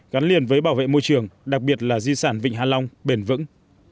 gắn liền với bảo vệ môi trường đặc biệt là di sản vịnh hạ long bền vững